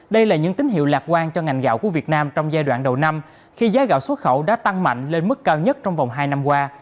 đây là những tín hiệu lạc quan cho ngành gạo của việt nam trong giai đoạn đầu năm khi giá gạo xuất khẩu đã tăng mạnh lên mức cao nhất trong vòng hai năm qua